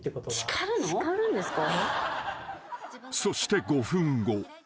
［そして５分後。